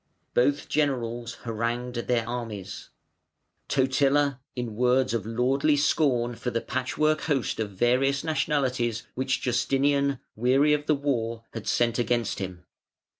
Both generals harangued their armies: Totila, in words of lordly scorn for the patch work host of various nationalities which Justinian, weary of the war, had sent against him.